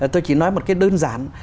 tôi chỉ nói một cái đơn giản